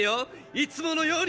いつものように！